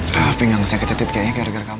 tapi gak usah kecetit kayaknya gara gara kamu